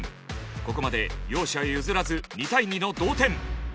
ここまで両者譲らず２対２の同点。